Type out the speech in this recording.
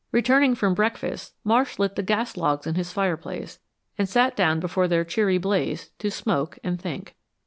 Returning from breakfast, Marsh lit the gas logs in his fireplace and sat down before their cheery blaze to smoke and think.